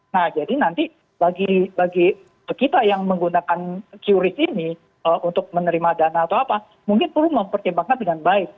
nah jadi nanti bagi kita yang menggunakan qris ini untuk menerima dana atau apa mungkin perlu mempertimbangkan dengan baik